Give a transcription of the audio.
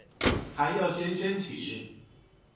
還要先申請